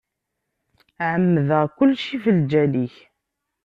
Ԑemmdeɣ kulci ɣef lǧal-ik.